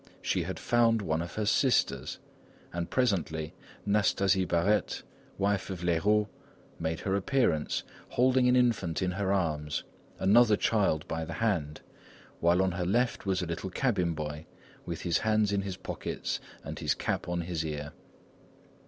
She had found one of her sisters, and presently Nastasie Barette, wife of Léroux, made her appearance, holding an infant in her arms, another child by the hand, while on her left was a little cabin boy with his hands in his pockets and his cap on his ear.